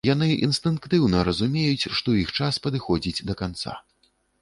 Яны інстынктыўна разумеюць, што іх час падыходзіць да канца.